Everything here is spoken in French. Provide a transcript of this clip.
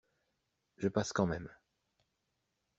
Je passe quand même